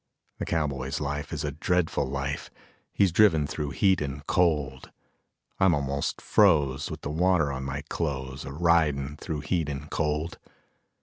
The cowboy's life is a dreadful life, He's driven through heat and cold; I'm almost froze with the water on my clothes, A ridin' through heat and cold.